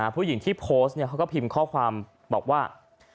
ผู้หญิงที่โพสต์เขาก็พิมพ์ข้อความบอกว่า